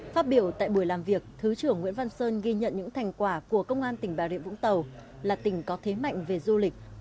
phát biểu tại buổi làm việc thứ trưởng nguyễn văn sơn ghi nhận những thành quả của công an tỉnh bà rịa vũng tàu là tỉnh có thế mạnh về du lịch